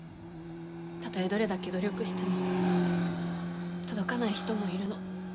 たとえどれだけ努力しても届かない人もいるの。